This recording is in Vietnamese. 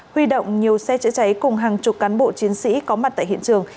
huy động nhiều xe chữa cháy cùng hàng chục cán bộ chiến sĩ có mặt tại hiện trường